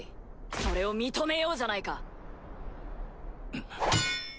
それを認めようじゃないか。